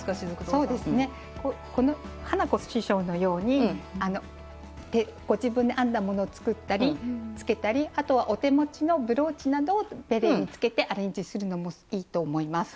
そうですね花子師匠のようにご自分で編んだものを作ったり付けたりあとはお手持ちのブローチなどをベレーに付けてアレンジするのもいいと思います。